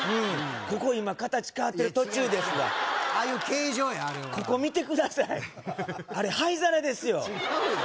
ここ今形変わってる途中ですわいや違う違うああいう形状やあれはここ見てくださいあれ灰皿ですよ違うよ